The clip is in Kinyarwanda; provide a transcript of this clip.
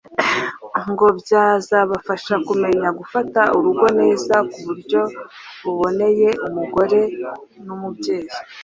ngo byazabafasha kumenya gufata urugo neza ku buryo buboneye umugore n'umubyeyi.